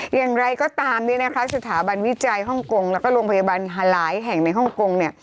อย่างไรก็ตามสถาบันวิจัยฮ่องกงแล้วก็โรงพยาบาลหลายแห่งในฮ่องกง